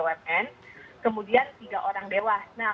jadi kita ingin memastikan proses kekuatan ini bisa diperlukan